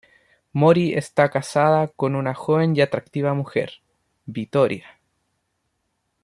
Mori está casada con una joven y atractiva mujer, Vittoria.